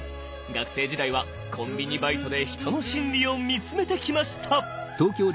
学生時代はコンビニバイトで人の心理を見つめてきました！